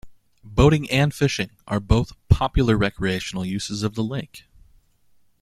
Boating and fishing are both popular recreational uses of the lake.